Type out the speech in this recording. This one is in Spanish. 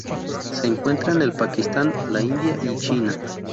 Se encuentra en el Pakistán, la India y China.